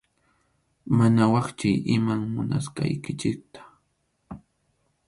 Mañawaychik iman munasqaykichikta.